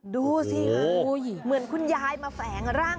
ดูสิค่ะเหมือนคุณยายมาแฝงร่าง